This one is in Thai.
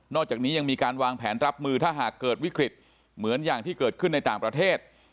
อกจากนี้ยังมีการวางแผนรับมือถ้าหากเกิดวิกฤตเหมือนอย่างที่เกิดขึ้นในต่างประเทศ